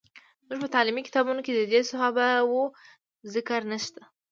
زموږ په تعلیمي کتابونو کې د دې صحابه وو ذکر نشته.